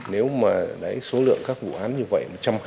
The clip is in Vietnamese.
nếu mà số lượng các vụ án như vậy